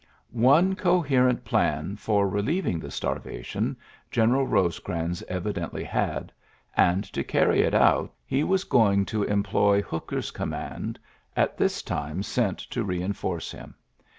One coherent plan for relieving the starvation Gtoneral Bosecrans evidently ^ had ; and, to carry it out^ he was going to employ Hooker's command^ at this time sent to re enforce him.